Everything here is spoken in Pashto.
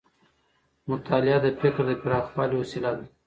مطالعه د فکر د پراخوالي وسیله ده.